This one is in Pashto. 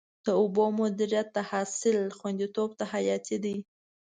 د اوبو مدیریت د حاصل خوندیتوب ته حیاتي دی.